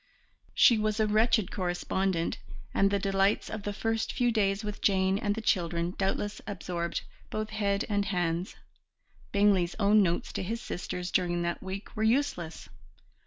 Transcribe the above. She was a wretched correspondent, and the delights of the first few days with Jane and the children doubtless absorbed both head and hands. Bingley's own notes to his sisters during that week were useless.